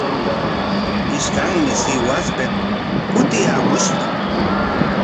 Ishkanmi Sihuaspik kutiyaamushqa.